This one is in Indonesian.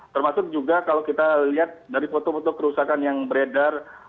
termasuk juga kalau kita lihat dari foto foto kerusakan yang beredar